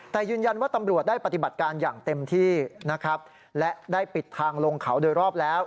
แต่ยืนยันว่าตำรวจได้ปฏิบัติการอย่างเต็มที่นะครับและได้ปิดทางลงเขาโดยรอบแล้ว